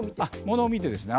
ものを見てですね。